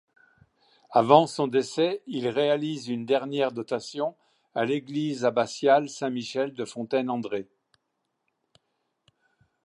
Avant son décès il réalise une dernière dotation à l'église abbatiale Saint-Michel de Fontaine-André.